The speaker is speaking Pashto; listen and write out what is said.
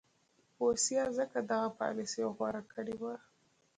بوسیا ځکه دغه پالیسي غوره کړې وه.